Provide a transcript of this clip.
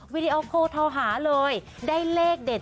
วิดีโอคอลโทรหาเลยได้เลขเด็ด